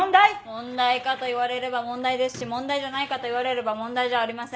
問題かと言われれば問題ですし問題じゃないかと言われれば問題じゃありません。